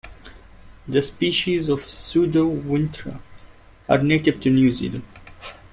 The species of "Pseudowintera" are native to New Zealand.